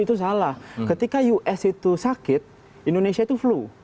itu salah ketika us itu sakit indonesia itu flu